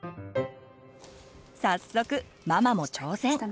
早速ママも挑戦！